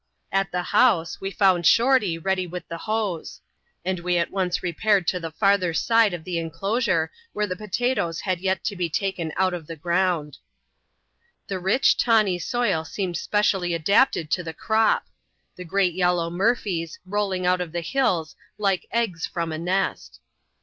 At the house, we found Shorty ready with the hoes ; and we at once repaired to the farther side of the in dosure, where the potatoes had yet to be taken out of the ground. The rich, tawny soil seemed specially adapted to the crop ; the great yellow murphies rolling out of the hills like eggs from a nest.